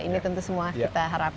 ini tentu semua kita harapkan